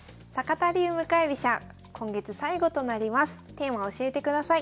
テーマ教えてください。